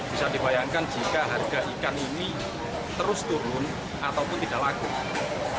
bisa dibayangkan jika harga ikan ini terus turun ataupun tidak laku